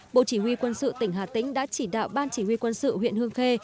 bộ chỉ huy quân sự tỉnh hà tĩnh đã chỉ đạo ban chỉ huy quân sự huyện hương khê